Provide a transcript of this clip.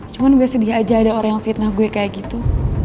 cuma gue sedih aja ada orang yang fitnah gue kayak gitu